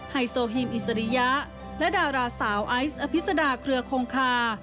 ไฮโซฮิมอิสริยะและดาราสาวไอซ์อภิษดาเครือคงคา